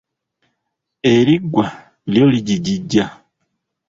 Eriggwa lyo lijigija.